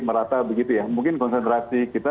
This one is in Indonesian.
merata begitu ya mungkin konsentrasi kita